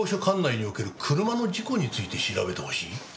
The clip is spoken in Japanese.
管内における車の事故について調べてほしい？